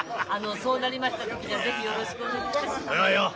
そうなりました時には是非よろしくお願いいたします。